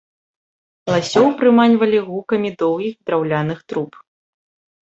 Ласёў прыманьвалі гукамі доўгіх драўляных труб.